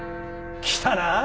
来たな！